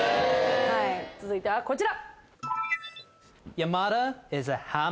続いてはこちら。